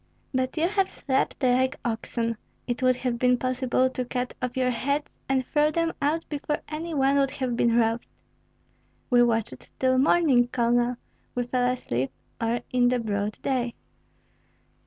"But you have slept like oxen; it would have been possible to cut off your heads and throw them out before any one would have been roused." "We watched till morning, Colonel; we fell asleep only in the broad day."